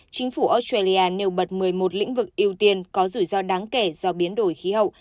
chính phủ australia nêu bật một mươi một lĩnh vực ưu tiên có rủi ro đáng kể do biến đổi khí hậu